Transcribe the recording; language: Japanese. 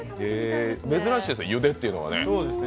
珍しいですね、茹でっていうのがね。